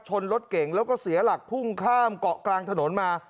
รถเก่งแล้วก็เสียหลักพุ่งข้ามเกาะกลางถนนมา